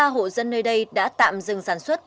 sáu mươi ba hộ dân nơi đây đã tạm dừng sản xuất